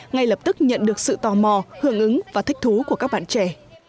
ngay lập tức nhận được sự tò mò hưởng ứng và thích thú của các bạn trẻ